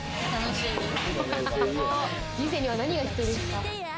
人生には何が必要ですか？